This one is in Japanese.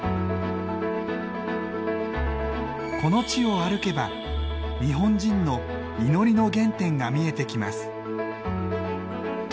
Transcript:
この地を歩けば日本人の祈りの原点が見えてきます。